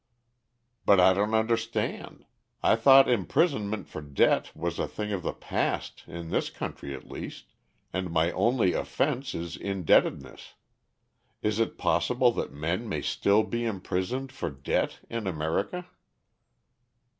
"But I don't understand. I thought imprisonment for debt was a thing of the past, in this country at least, and my only offense is indebtedness. Is it possible that men may still be imprisoned for debt in America?"